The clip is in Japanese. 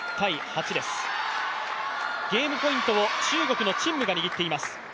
ゲームポイントを中国の陳夢が握っています。